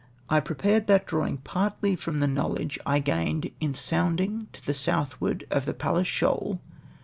"I prepared that drawing partly from the knowledge I gained in sounding to the southward of the Palles Shoal.